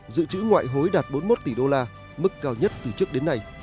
dự trữ ngoại hối đạt bốn mươi một tỷ đô la mức cao nhất từ trước đến nay